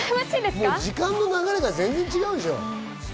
時間の流れが全然違うでしょ？